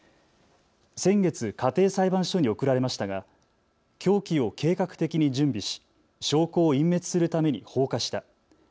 先月家庭裁判所に送られましたが凶器を計画的に準備し証拠を隠滅するために放火した。